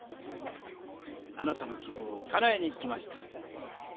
あなたの希望をかなえに来ました。